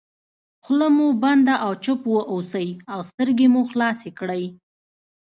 خوله مو بنده او چوپ واوسئ او سترګې مو خلاصې کړئ.